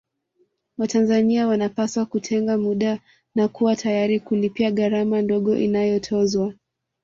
Watanzania wanapaswa kutenga muda na kuwa tayari kulipia gharama ndogo inayotozwa